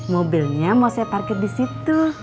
mobilnya mau saya parkir di situ